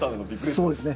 そうですね。